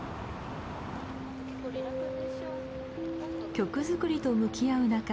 曲作りと向き合う中